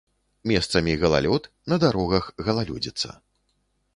Месцамі галалёд, на дарогах галалёдзіца.